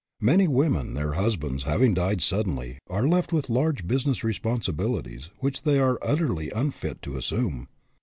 Many women, their husbands having died suddenly, are left with large business responsibilities, which they are utterly unfit to assume.